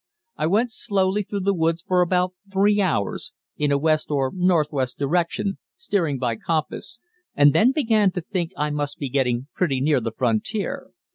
I went slowly through the woods for about three hours, in a west or northwest direction, steering by compass, and then began to think I must be getting pretty near the frontier.